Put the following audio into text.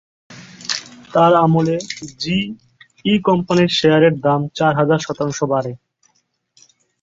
তার আমলে G E কোম্পানির শেয়ারের দাম চার হাজার শতাংশ বাড়ে।